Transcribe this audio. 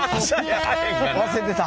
忘れてた。